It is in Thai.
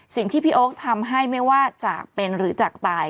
สิ่งที่พี่โอ๊คทำให้ไม่ว่าจากเป็นหรือจากตาย